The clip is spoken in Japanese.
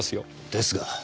ですが。